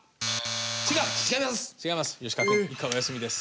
違います！